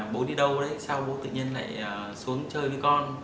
bố đi đâu đấy sau bố tự nhiên lại xuống chơi với con